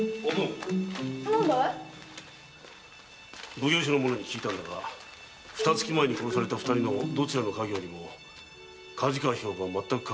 奉行所の者に聞いたのだが二月前に殺された二人のどちらの家業にも梶川兵部はまったくかかわりないそうだ。